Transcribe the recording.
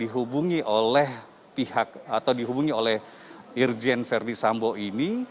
dihubungi oleh pihak atau dihubungi oleh irjen verdi sambo ini